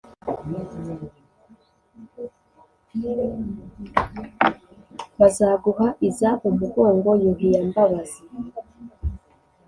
bazaguha iza umugongo yuhi ya mbabazi,